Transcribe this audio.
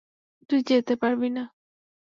তুই যেতে পারবি না।